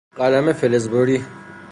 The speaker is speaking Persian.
قلم فلز بری